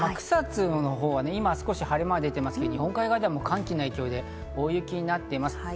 草津のほうは今、晴れ間が出ていますけど、日本海側は寒気の影響で大雪になっています。